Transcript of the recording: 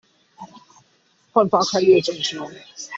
換發開業證書